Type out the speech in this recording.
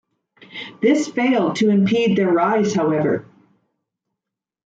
This failed to impede their rise however.